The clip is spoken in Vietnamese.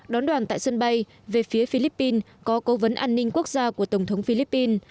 đón đoàn tại sân bay về phía philippines có cố vấn an ninh quốc gia của tổng thống philippines